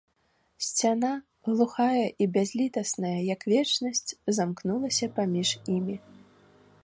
Сцяна, глухая і бязлітасная, як вечнасць, замкнулася паміж імі.